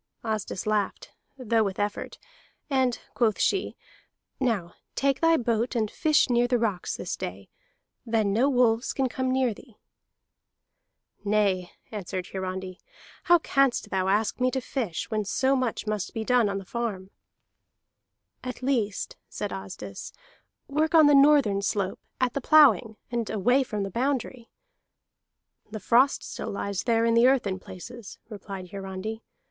Asdis laughed, though with effort, and quoth she: "Now take thy boat and fish near the rocks this day. Then no wolves can come near thee." "Nay," answered Hiarandi, "how canst thou ask me to fish when so much must be done on the farm?" "At least," said Asdis, "work on the northern slope, at the ploughing, and away from the boundary." "The frost still lies there in the earth in places," replied Hiarandi.